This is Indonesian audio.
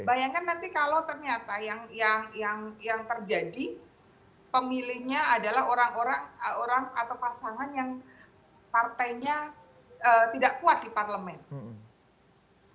bayangkan nanti kalau ternyata yang terjadi pemilihnya adalah orang orang atau pasangan yang partainya tidak kuat di parlemen